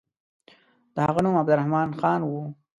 د هغه نوم عبدالرحمن خان وو.